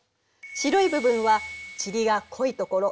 白い部分は塵が濃いところ。